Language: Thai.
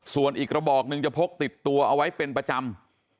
ส่วนอีกระบอกหนึ่งจะพกติดตัวเอาไว้เป็นประจำ